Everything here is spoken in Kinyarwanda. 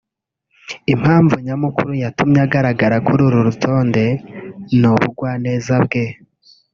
Impamvu nyamukuru yatumye agaragara kuri uru rutonde ni ubugwaneza bwe